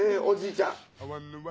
おじちゃん。